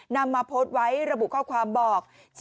นำมาโพสต์ไว้ระบุข้อความบอก